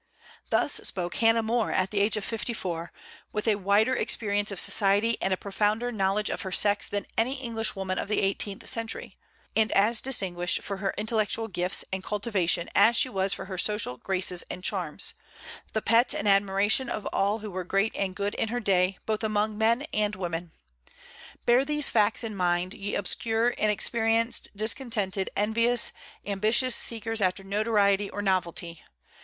Thus spoke Hannah More at the age of fifty four, with a wider experience of society and a profounder knowledge of her sex than any Englishwoman of the eighteenth century, and as distinguished for her intellectual gifts and cultivation as she was for her social graces and charms, the pet and admiration of all who were great and good in her day, both among men and women. Bear these facts in mind, ye obscure, inexperienced, discontented, envious, ambitious seekers after notoriety or novelty!